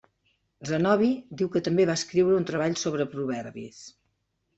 Zenobi diu que també va escriure un treball sobre proverbis.